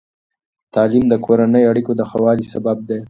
تعلیم د کورني اړیکو د ښه والي سبب دی.